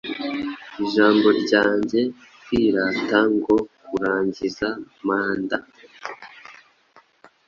Ijambo ryanjye-kwirata ngo kurangiza manda